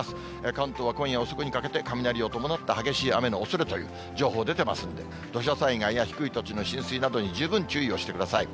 関東は今夜遅くにかけて、雷を伴った激しい雨のおそれという情報出てますので、土砂災害や低い土地の浸水などに十分注意をしてください。